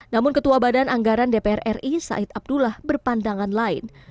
namun ketua badan anggaran dpr ri said abdullah berpandangan lain